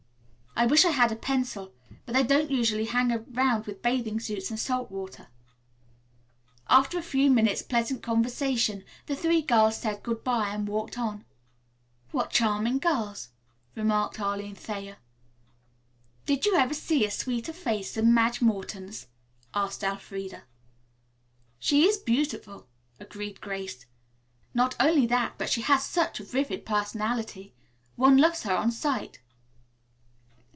I wish I had a pencil, but they don't usually hang around with bathing suits and salt water." After a few minutes' pleasant conversation the three girls said good bye and walked on. "What charming girls," remarked Arline Thayer. "Did you ever see a sweeter face than Madge Morton's?" asked Elfreda. "She is beautiful," agreed Grace; "not only that, but she has such a vivid personality. One loves her on sight."